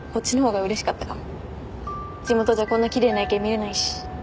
地元じゃこんな奇麗な夜景見れないし。